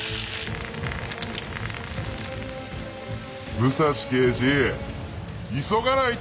武蔵刑事急がないと！